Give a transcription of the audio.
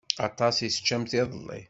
Aṭas i teččamt iḍelli.